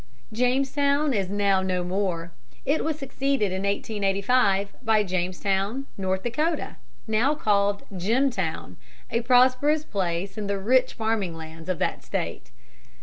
Jamestown is now no more. It was succeeded in 1885 by Jamestown, North Dakota, now called Jimtown, a prosperous place in the rich farming lands of that State.